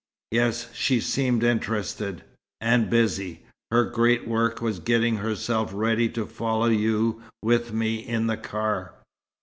"Yes. She seemed interested." "And busy. Her 'great work' was getting herself ready to follow you with me, in the car."